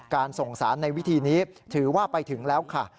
การส่งสารในวิธีนี้ถือว่าไปถึงแล้วค่ะ